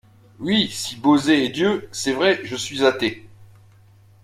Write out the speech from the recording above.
Oui, si Beauzée est dieu, c’est vrai, je suis athée.